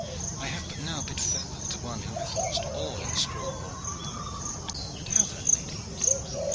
I have but now bid farewell to one who hath lost all in this cruel war." "And how that, lady?"